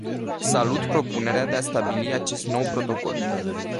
Salut propunerea de a stabili acest nou protocol.